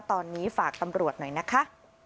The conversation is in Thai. ตอนนี้ฝากตำรวจหน่อยนะคะ